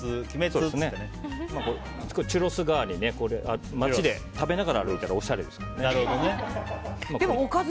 チュロス代わりに食べながらくわえたらおしゃれですね。